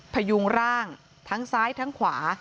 พยุงร่างทั้งซ้ายทั้งขวา